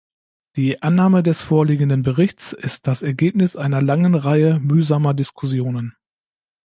Die Annahme des vorliegenden Berichts ist das Ergebnis einer langen Reihe mühsamer Diskussionen.